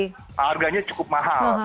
harganya cukup mahal